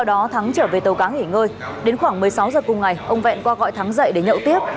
ông vẹn qua gọi thắng dậy để nhậu tiếp